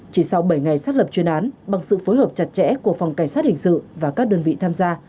chỉ sau bảy ngày xác lập chuyên án bằng sự phối hợp chặt chẽ của phòng cảnh sát hình sự và các đơn vị tham gia